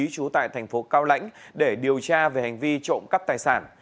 trú tại thành phố cao lãnh để điều tra về hành vi trộm cắp tài sản